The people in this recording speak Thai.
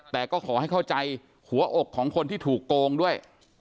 แต่ก็ขอให้เข้าใจหัวอกของคนที่ถูกโกงด้วย